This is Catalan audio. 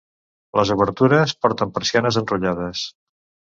Les obertures porten persianes enrotllades.